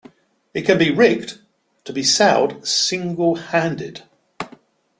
It can be rigged to be sailed single-handed.